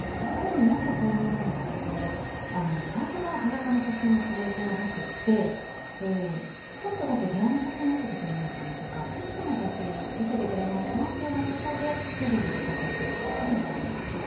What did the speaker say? さらに、もっと巧妙なのが最初から裸の写真をくれというのではなくてちょっとだけ部屋の写真見せてくれないかなとかペットの写真を見せてくれないかなということで徐々に近づいてくるということがあります。